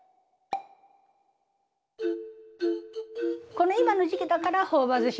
この今の時期だから朴葉ずし